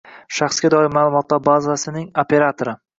shaxsga doir ma’lumotlar bazasining operatori